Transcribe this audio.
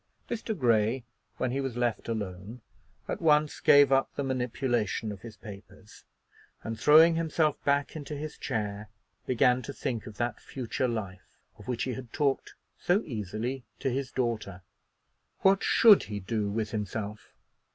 Mr. Grey, when he was left alone, at once gave up the manipulation of his papers, and, throwing himself back into his chair, began to think of that future life of which he had talked so easily to his daughter. What should he do with himself?